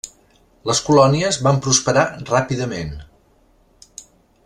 Les colònies van prosperar ràpidament.